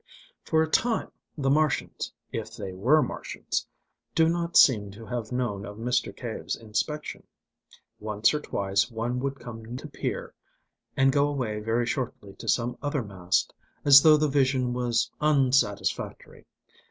For a time the Martians if they were Martians do not seem to have known of Mr. Cave's inspection. Once or twice one would come to peer, and go away very shortly to some other mast, as though the vision was unsatisfactory.